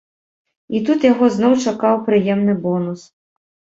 І тут яго зноў чакаў прыемны бонус.